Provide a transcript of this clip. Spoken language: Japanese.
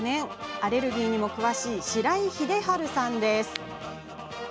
アレルギーにも詳しい白井秀治さんです。